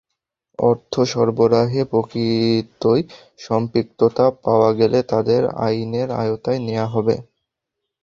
অর্থ সরবরাহে প্রকৃতই সম্পৃক্ততা পাওয়া গেলে তাঁদের আইনের আওতায় নেওয়া হবে।